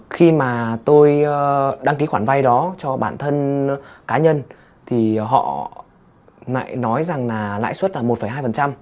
khi mà tôi đăng ký khoản vay đó cho bản thân cá nhân thì họ nói rằng là lãi suất là một hai